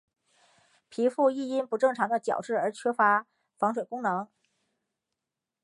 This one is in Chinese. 皮肤亦因不正常的角质而缺乏防水功能。